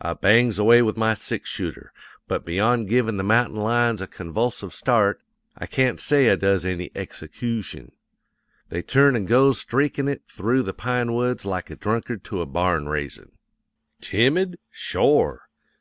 I bangs away with my six shooter, but beyond givin' the mountain lions a convulsive start I can't say I does any execootion. They turns an' goes streakin' it through the pine woods like a drunkard to a barn raisin'. "Timid? Shore!